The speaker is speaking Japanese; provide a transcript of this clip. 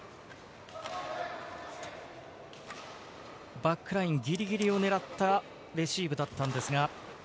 バックラインぎりぎりを狙ったレシーブだったんですが。